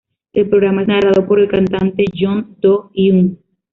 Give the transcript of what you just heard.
El programa es narrado por el cantante Yoon Do-hyun.